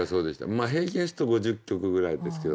まあ平均すると５０曲ぐらいですけど。